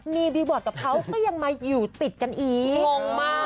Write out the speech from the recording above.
มีบีบอร์ดกับเขาก็ยังมาอยู่ติดกันอีกงงมาก